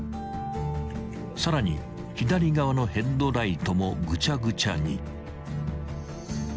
［さらに左側のヘッドライトもぐちゃぐちゃに］